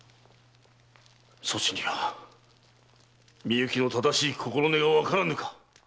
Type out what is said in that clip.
そちには美雪の正しい心根がわからぬか？